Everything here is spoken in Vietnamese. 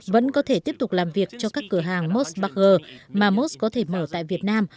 vẫn có thể tiếp tục làm việc cho các cửa hàng mos bager mà mốt có thể mở tại việt nam